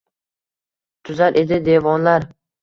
Tuzar edi devonlar.